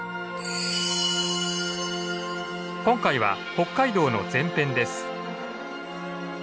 今回は北海道の前編です。